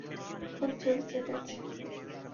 খুব জোরে চেপেছে।